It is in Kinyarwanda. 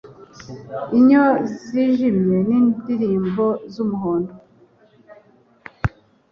Inyo zijimye nindirimbo zumuhondo